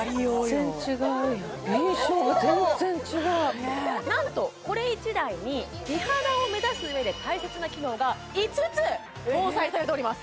全然違うやん印象も全然違うなんとこれ１台に美肌を目指すうえで大切な機能が５つ搭載されております